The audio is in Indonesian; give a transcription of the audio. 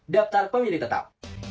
satu daptar pemilih tetap